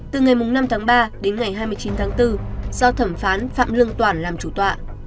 từ ngày năm tháng ba đến ngày hai mươi chín tháng bốn do thẩm phán phạm lương toản làm chủ tọa